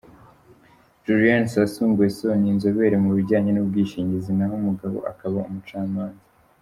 Julienne Sassou Nguesso ni inzobere mu bijyanye n’ubwishingizi na ho umugabo akaba umucamanza.